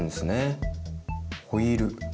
ホイール。